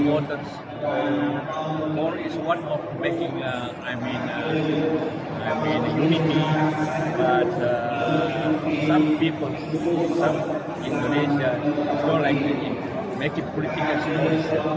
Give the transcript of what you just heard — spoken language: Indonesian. sport adalah hal untuk membuat keunikasi tapi beberapa orang beberapa indonesia tidak suka membuat politik seperti itu